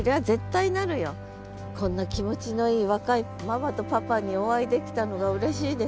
こんな気持ちのいい若いママとパパにお会いできたのがうれしいですわ